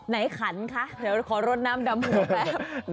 ในขันคะหรือขอรดน้ำดำหูแป๊บ